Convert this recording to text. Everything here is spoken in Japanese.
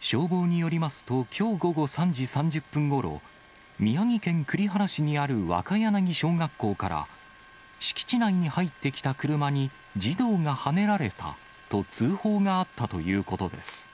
消防によりますと、きょう午後３時３０分ごろ、宮城県栗原市にある若柳小学校から、敷地内に入ってきた車に、児童がはねられたと通報があったということです。